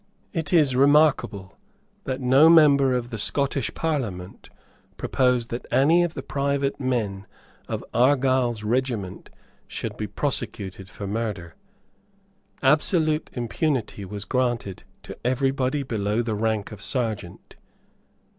It is remarkable that no member of the Scottish Parliament proposed that any of the private men of Argyle's regiment should be prosecuted for murder. Absolute impunity was granted to everybody below the rank of Serjeant.